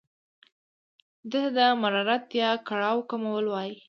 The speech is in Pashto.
دې ته د مرارت یا کړاو کمول وايي.